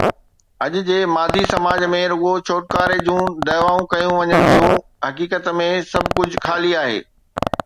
اڄ جي مادي سماج ۾ رڳو ڇوٽڪاري جون دعوائون ڪيون وڃن ٿيون، حقيقت ۾ سڀ ڪجهه خالي آهي.